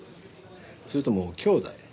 それとも兄弟？